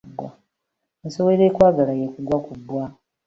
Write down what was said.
Ensowera ekwagala y'ekugwa ku bbwa.